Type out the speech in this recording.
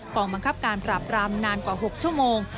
กองบังคับการปราบรามนานกว่า๖ชั่วโมง